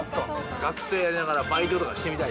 学生だったらバイトとかしてみたい。